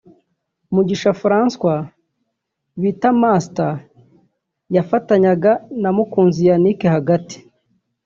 Mugisha Francois bita Master yafatanyaga na Mukunzi Yannick hagati